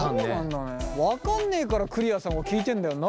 分かんねえからクリアさんは聞いてんだよな。